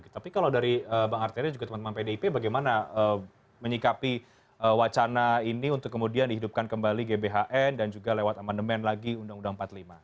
tapi kalau dari bang arteri juga teman teman pdip bagaimana menyikapi wacana ini untuk kemudian dihidupkan kembali gbhn dan juga lewat amandemen lagi undang undang empat puluh lima